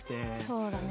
そうだね。